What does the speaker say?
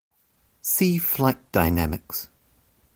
See flight dynamics.